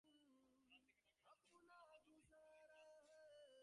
নড়াইল থেকে ঢাকায় এসে নিয়মিত দাবা খেলেন বলেই কাল দাবি করলেন।